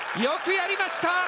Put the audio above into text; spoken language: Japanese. よくやりました！